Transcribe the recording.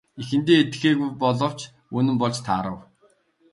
Эхэндээ итгээгүй боловч үнэн болж таарав.